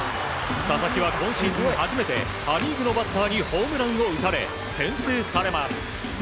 佐々木は今シーズン初めてパ・リーグのバッターにホームランを打たれ先制されます。